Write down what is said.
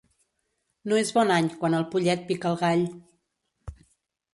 No és bon any quan el pollet pica el gall.